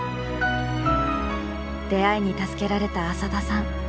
出会いに助けられた浅田さん。